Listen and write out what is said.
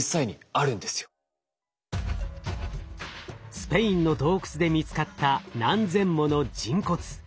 スペインの洞窟で見つかった何千もの人骨。